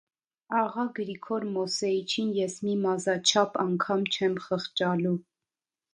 Աղա Գրիգոր Մոսեիչին ես մի մազաչափ անգամ չեմ խղճալու…